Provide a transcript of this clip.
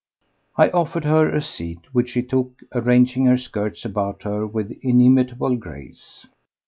I offered her a seat, which she took, arranging her skirts about her with inimitable grace.